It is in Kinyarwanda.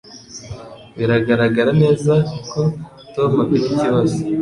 Biragaragara neza ko Tom afite ikibazo.